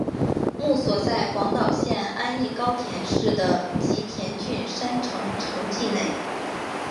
墓所在广岛县安艺高田市的吉田郡山城城迹内。